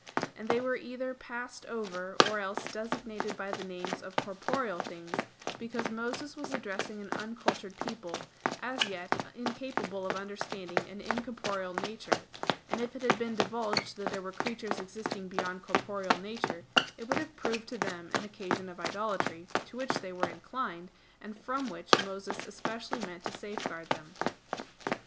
And they were either passed over, or else designated by the names of corporeal things, because Moses was addressing an uncultured people, as yet incapable of understanding an incorporeal nature; and if it had been divulged that there were creatures existing beyond corporeal nature, it would have proved to them an occasion of idolatry, to which they were inclined, and from which Moses especially meant to safeguard them.